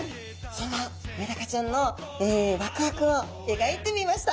そんなメダカちゃんのワクワクを描いてみました。